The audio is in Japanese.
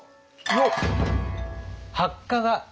よっ。